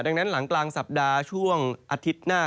ดังนั้นหลังกลางสัปดาห์ช่วงอาทิตย์หน้า